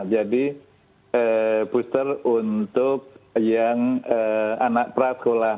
jadi booster untuk yang anak praskul lah